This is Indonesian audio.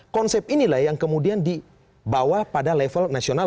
konsep inilah yang kemudian dibawa pada level nasional